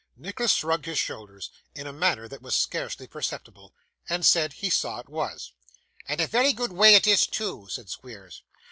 Nicholas shrugged his shoulders in a manner that was scarcely perceptible, and said he saw it was. 'And a very good way it is, too,' said Squeers.